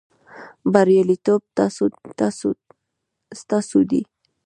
بریالیتوب ستاسو دی